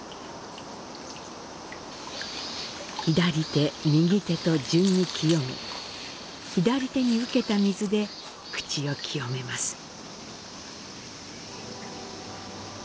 左手、右手と順に清め、左手に受けた水で口を清めます。